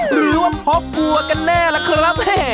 หรือว่าเพราะกลัวกันแน่ล่ะครับ